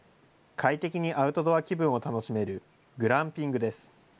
快適にアウトドア気分を楽しめるグランピングです。